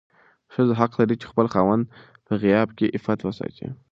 ښځه حق لري چې د خپل خاوند په غياب کې عفت وساتي.